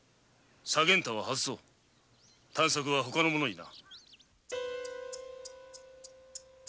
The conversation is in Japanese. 左源太は外そう探索は外の者にな。